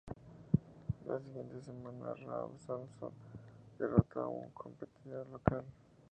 La siguiente semana en Raw, Samson derrotó a un competidor local.